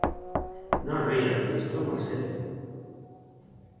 Non ría que isto é moi serio.